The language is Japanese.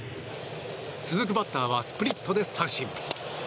続くバッターはスプリットで三振。